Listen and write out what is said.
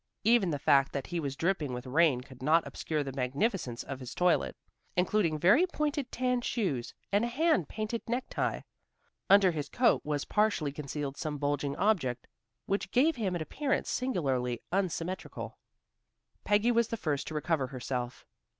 Even the fact that he was dripping with rain could not obscure the magnificence of his toilet, including very pointed tan shoes, and a hand painted necktie. Under his coat was partially concealed some bulging object which gave him an appearance singularly unsymmetrical. Peggy was the first to recover herself.